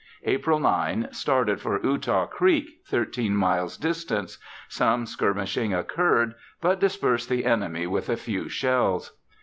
April 9, started for Eutaw Creek, thirteen miles distant. Some skirmishing occurred; but dispersed the enemy with a few shells.